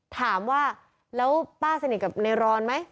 ถามว่าแล้วป้าสนิทกับในรอนไหม